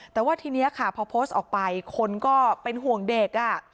แต่ว่าทีนี้ค่ะพอโพสต์ออกไปคนก็เป็นห่วงเด็ก